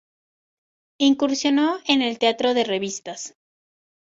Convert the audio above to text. Incursionó en el teatro de revistas.